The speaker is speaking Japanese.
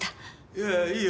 いやいやいいよ